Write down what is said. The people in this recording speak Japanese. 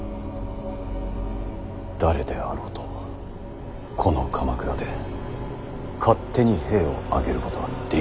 誰であろうとこの鎌倉で勝手に兵を挙げることはできませぬ。